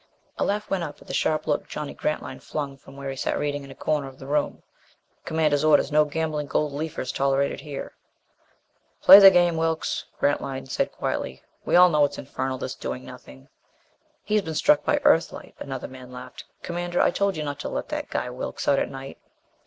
A laugh went up at the sharp look Johnny Grantline flung from where he sat reading in a corner of the room. "Commander's orders. No gambling gold leafers tolerated here." "Play the game, Wilks," Grantline said quietly. "We all know it's infernal this doing nothing." "He's been struck by Earthlight," another man laughed. "Commander, I told you not to let that guy Wilks out at night."